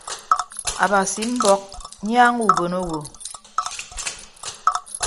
Abasi mbọk nyaaña ubon owo.